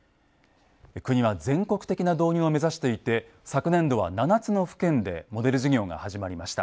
国は全国的な導入を目指していて昨年度は７つの府県でモデル事業が始まりました。